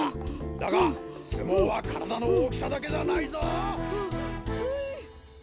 だがすもうはからだのおおきさだけじゃないぞ！ははい。